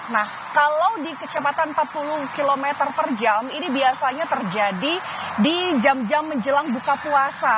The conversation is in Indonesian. nah kalau di kecepatan empat puluh km per jam ini biasanya terjadi di jam jam menjelang buka puasa